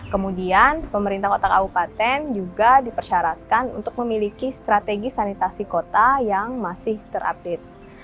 kemudian pemerintah kota kabupaten juga dipersyaratkan untuk memiliki strategi sanitasi kota yang masih terupdate